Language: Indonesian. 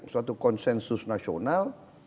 suatu konsensus nasional